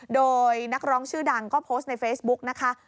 โดยนักร้องชื่อดังก็โพสต์ในเฟซบุ๊กนะคะ